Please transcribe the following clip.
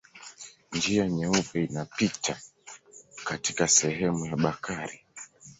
Njia Nyeupe inapita katika sehemu ya Bakari.